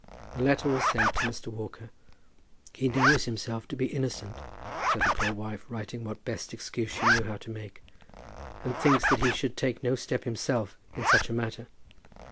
The letter was sent to Mr. Walker. "He knows himself to be innocent," said the poor wife, writing what best excuse she knew how to make, "and thinks that he should take no step himself in such a matter.